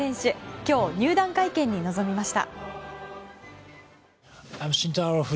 今日、入団会見に臨みました。